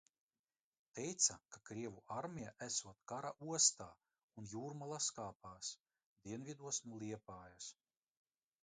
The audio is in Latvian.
Teica, ka krievu armija esot Kara ostā un jūrmalas kāpās, dienvidos no Liepājas.